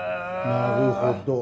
なるほど。